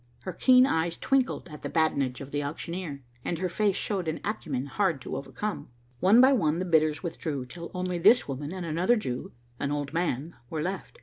Her keen eyes twinkled at the badinage of the auctioneer, and her face showed an acumen hard to overcome. One by one the bidders withdrew, till only this woman and another Jew, an old man, were left.